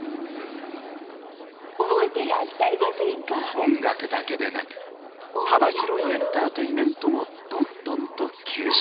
音楽だけでなく幅広いエンターテインメントもどんどんと吸収。